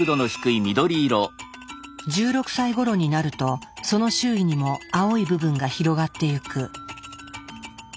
１６歳ごろになるとその周囲にも青い部分が広がっていく。